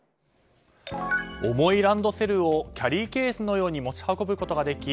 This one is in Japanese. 重いランドセルをキャリーケースのように持ち運ぶことができ